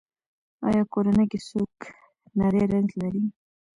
ایا کورنۍ کې څوک نری رنځ لري؟